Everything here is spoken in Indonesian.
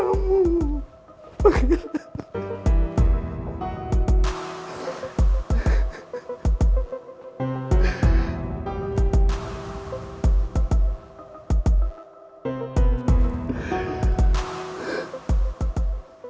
kembara gaati isu